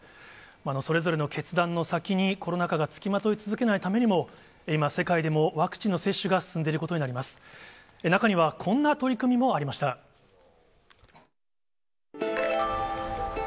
それぞれの決断の先に、コロナ禍が付きまとい続けないためにも、今、世界でもワクチンの接種が進んでいることになります。